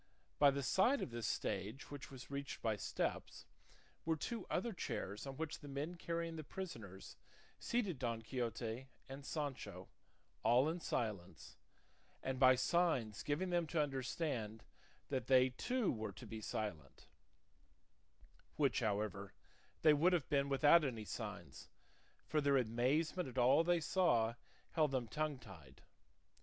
By the side of this stage, which was reached by steps, were two other chairs on which the men carrying the prisoners seated Don Quixote and Sancho, all in silence, and by signs giving them to understand that they too were to be silent; which, however, they would have been without any signs, for their amazement at all they saw held them tongue tied.